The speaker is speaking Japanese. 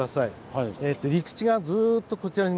はい。